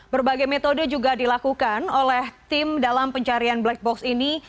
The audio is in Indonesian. berbagai metode juga dilakukan oleh tim dalam pencarian black box ini